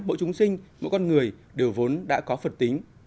mỗi chúng sinh mỗi con người đều vốn đã có phật tính